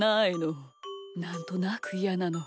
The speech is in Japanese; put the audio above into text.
なんとなくイヤなの。